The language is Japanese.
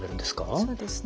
そうですね。